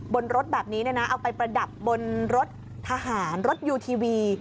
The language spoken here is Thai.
บนรถแบบนี้เอาไปประดับบนรถทหารรถยูทีวี